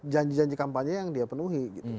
janji janji kampanye yang dia penuhi